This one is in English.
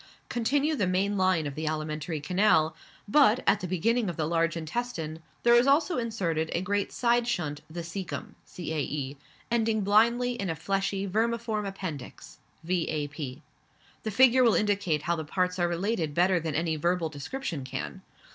continue the main line of the alimentary canal; but, at the beginning of the large intestine, there is also inserted a great side shunt, the caecum (cae.), ending blindly in a fleshy vermiform appendix (v.ap.). The figure will indicate how the parts are related better than any verbal description can.